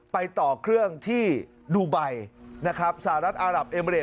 ไปต่อเครื่องที่ดูไบนะครับสหรัฐอารับเอเมริด